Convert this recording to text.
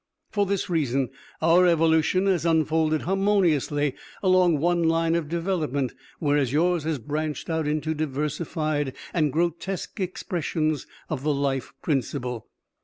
For this reason, our evolution has unfolded harmoniously along one line of development, whereas yours has branched out into diversified and grotesque expressions of the Life Principle.